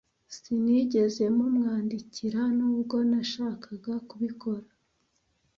Sinigeze mumwandikira, nubwo nashakaga kubikora.